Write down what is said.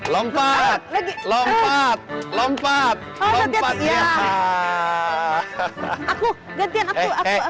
lompat lompat lompat ya